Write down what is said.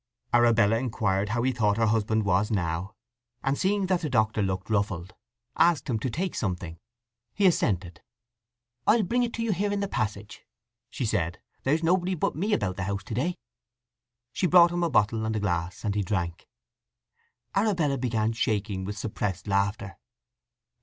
Arabella inquired how he thought her husband was now, and seeing that the Doctor looked ruffled, asked him to take something. He assented. "I'll bring it to you here in the passage," she said. "There's nobody but me about the house to day." She brought him a bottle and a glass, and he drank. Arabella began shaking with suppressed laughter.